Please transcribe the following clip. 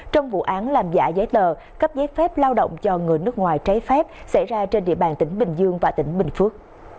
trong vụ án làm giả giấy tờ cấp giấy phép lao động cho người nước ngoài trái phép xảy ra trên địa bàn tỉnh bình dương và tỉnh bình phước